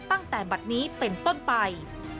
ตั้งแต่บัตรนี้เป็นต้นไป